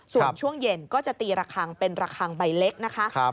ส่วนช่วงเย็นก็จะตีระคังเป็นระคังใบเล็กนะคะ